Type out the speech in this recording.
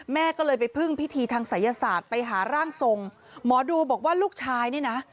แม่ก็เลยไปพึ่งพิธีทางศัยศาสตร์ไปหาร่างทรงหมอดูบอกว่าลูกชายนี่นะ